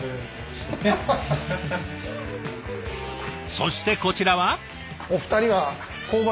そしてこちらは。